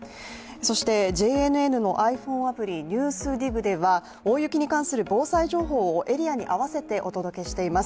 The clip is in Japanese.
ＪＮＮのｉＰｈｏｎｅアプリ「ＮＥＷＳＤＩＧ」では大雪に関する防災情報をエリアに合わせてお届けしています。